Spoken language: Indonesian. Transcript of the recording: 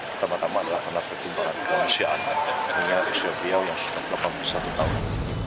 pertama tama adalah karena pertumbuhan kemanusiaan dengan yusril izzah mahendra yang delapan puluh satu tahun